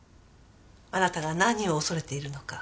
あなたが何を恐れているのか。